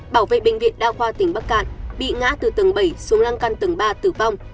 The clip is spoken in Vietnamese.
bảo vệ bệnh viện đa khoa tỉnh bắc cạn bị ngã từ tầng bảy xuống lăng căn tầng ba tử vong